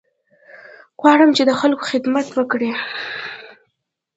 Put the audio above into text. غواړم چې د خلکو خدمت وکړې.